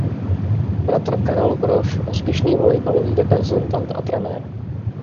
Bratr Karel Brož úspěšný volejbalový reprezentant a trenér.